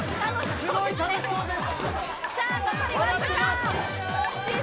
すごい楽しそうです。